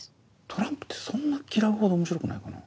トランプってそんな嫌うほど面白くないかな？